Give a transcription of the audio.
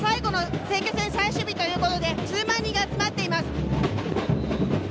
選挙戦最終日ということで数万人が集まっています。